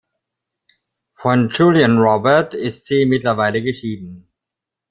Von Julien Robert ist sie mittlerweile geschieden.